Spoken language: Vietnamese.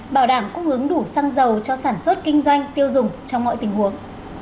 bảo đảm cung ứng đủ xăng dầu cho sản xuất kinh doanh tiêu dùng trong mọi tình huống